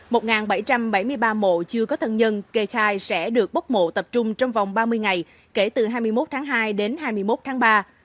một bảy trăm bảy mươi ba mộ chưa có thân nhân kê khai sẽ được bốc mộ tập trung trong vòng ba mươi ngày kể từ hai mươi một tháng hai đến hai mươi một tháng ba